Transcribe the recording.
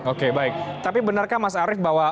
oke baik tapi benarkah mas arief bahwa